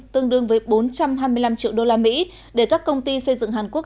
tương đương với bốn trăm hai mươi năm triệu usd để các công ty xây dựng hàn quốc